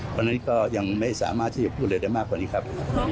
เพราะฉะนั้นก็ยังไม่สามารถที่จะพูดอะไรได้มากกว่านี้ครับ